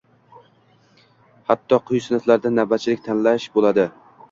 Hatto quyi sinflarda navbatchilik talash bo‘ladi.